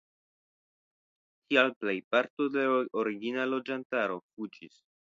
Tial plejparto de la origina loĝantaro fuĝis.